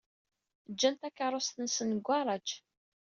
Ǧǧan takeṛṛust-nsen deg ugaṛaj.